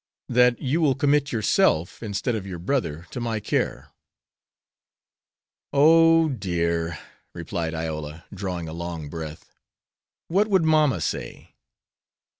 "That you will commit yourself, instead of your brother, to my care." "Oh, dear," replied Iola, drawing a long breath. "What would mamma say?"